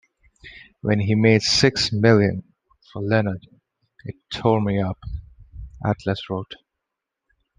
"When he made six million for Leonard, it tore me up," Atlas wrote.